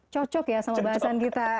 cocok ya sama bahasan kita